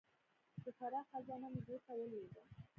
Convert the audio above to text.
د فراق خزانه مې زړه ته ولوېده.